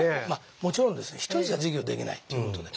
もちろんですね一人じゃ事業できないっていうことで。